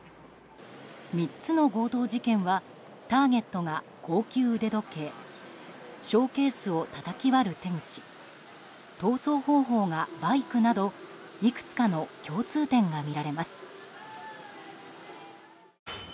３つの強盗事件はターゲットが高級腕時計ショーケースをたたき割る手口逃走方法がバイクなどいくつかの共通点が見られます。